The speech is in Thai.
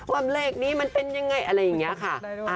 ว่าเลขนี้มันเป็นยังไงอะไรอย่างนี้ค่ะ